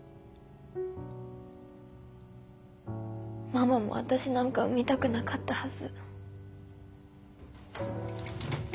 ママも私なんか産みたくなかったはず。